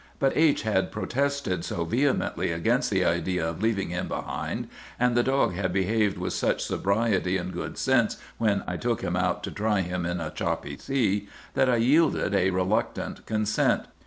But H—— had protested so vehemently against the idea of leaving him behind, and the dog had behaved with such sobriety and good sense when I took him out to try him in a choppy sea, that I yielded a reluctant consent.